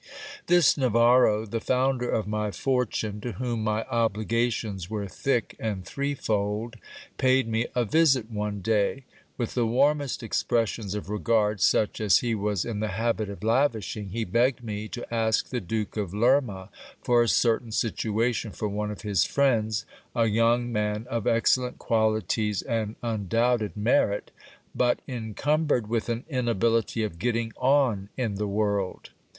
This Navarro, the founder of my fortune, to whom my obligations were thick and threefold, paid me a visit one day. With the warmest expressions of regard such as he was in the habit of lavishing, he begged me to ask the Duke of Lerma for a certain situation for one of his friends, a young man of excellent GIL BLAS. qualities and undoubted merit, but incumbered with an inability of getting on in the world.